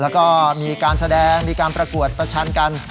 แล้วก็มีการแสดงมีการประกวดประชันกัน